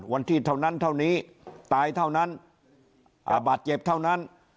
วันที่เท่านั้นเท่านี้ตายเท่านั้นอ่าบาดเจ็บเท่านั้น